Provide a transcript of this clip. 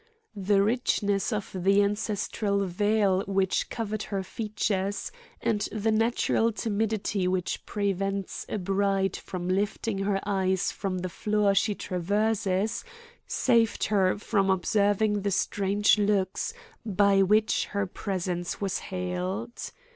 The richness of the ancestral veil which covered her features and the natural timidity which prevents a bride from lifting her eyes from the floor she traverses saved her from observing the strange looks by which her presence was hailed.